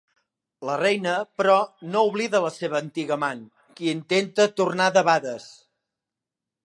La reina, però, no oblida la seva antiga amant, qui intenta tornar debades.